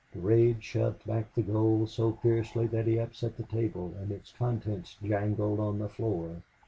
Durade shoved back the gold so fiercely that he upset the table, and its contents jangled on the floor.